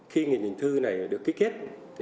khi nghìn hình thư này được ký kết